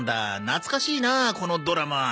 懐かしいなこのドラマ。